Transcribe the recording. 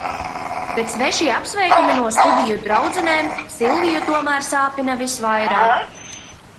Bet svešie apsveikumi no studiju draudzenēm Silviju tomēr sāpina visvairāk.